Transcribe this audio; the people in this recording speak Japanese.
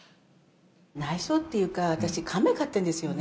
内緒っていうか、私、亀飼ってるんですよね。